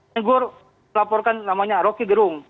saya laporkan namanya roki gerung